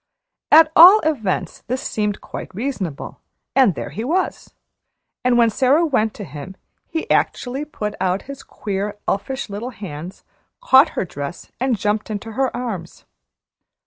At all events this seemed quite reasonable, and there he was; and when Sara went to him, he actually put out his queer, elfish little hands, caught her dress, and jumped into her arms.